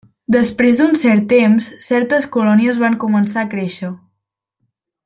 Després d'un cert temps, certes colònies van començar a créixer.